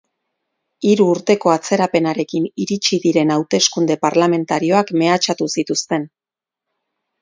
Hiru urteko atzerapenarekin iritsi diren hauteskunde parlamentarioak mehatxatu zituzten.